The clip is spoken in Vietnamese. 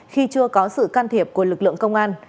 khi chưa có sự can thiệp của lực lượng công an